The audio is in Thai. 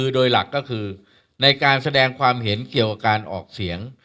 โดยหลักก็คือในการแสดงความเห็นเกี่ยวกับการออกเสียง